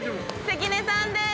◆関根さんです。